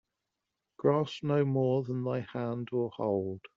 Grasp no more than thy hand will hold.